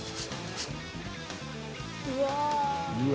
「うわ！」